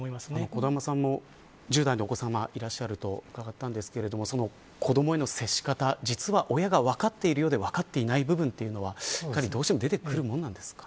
小玉さんも１０代のお子さまがいらっしゃると伺ったんですけど子どもへの接し方、実は親が分かっていない部分というのはどうしても出てくるものなんですか。